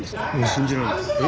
信じられないです。